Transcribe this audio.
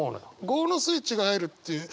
業のスイッチが入るっていう。